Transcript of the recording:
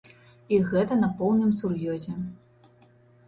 І гэта на поўным сур'ёзе.